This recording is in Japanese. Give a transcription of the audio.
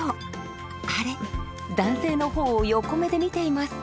アレ男性の方を横目で見ています。